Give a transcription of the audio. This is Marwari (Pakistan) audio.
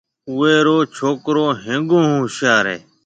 اُوئي رو ڇوڪرو هيَنگو هون هوشيار هيَ۔